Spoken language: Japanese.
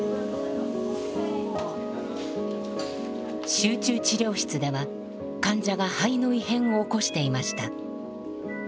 集中治療室では患者が肺の異変を起こしていました。